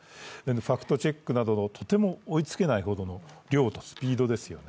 ファクトチェックなどのとても追いつけないほどの量とスピードですよね。